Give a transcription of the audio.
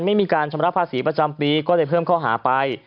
ไม่มีการชำระภาษีประจำปีก็เลยเพิ่มข้อหาไป